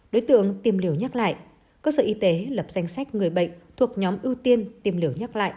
đối tượng tìm liều nhắc lại cơ sở y tế lập danh sách người bệnh thuộc nhóm ưu tiên tiêm liều nhắc lại